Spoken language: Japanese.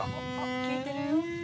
聴いてるよ。